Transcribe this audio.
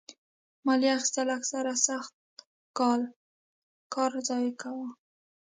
مالیه اخیستل اکثره سخت کال کار ضایع کاوه.